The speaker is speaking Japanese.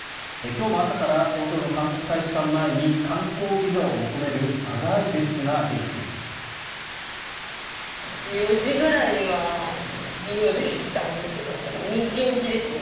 今日も朝から東京の韓国大使館前に観光ビザを求める長い列ができています。